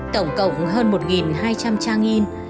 tổng cộng hơn một hai trăm linh trang in